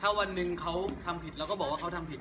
ถ้าวันหนึ่งเขาทำผิดเราก็บอกว่าเขาทำผิด